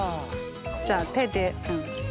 じゃあ手で。